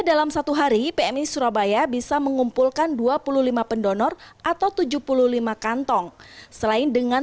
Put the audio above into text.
dalam satu hari pmi surabaya bisa mengumpulkan dua puluh lima pendonor atau tujuh puluh lima kantong selain dengan